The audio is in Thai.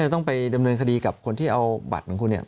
ต้องไปดำเนินคดีกับคนที่เอาบัตรของคุณ